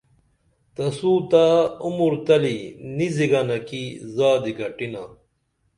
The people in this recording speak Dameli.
تسوتہ عمر تلی نی زِگنہ کی زادی گٹینا